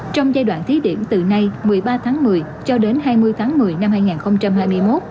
trong giai đoạn thí điểm từ nay một mươi ba tháng một mươi cho đến hai mươi tháng một mươi năm hai nghìn hai mươi một